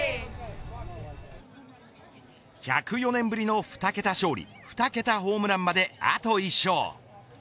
１０４年ぶりの２桁勝利２桁ホームランまで、あと１勝。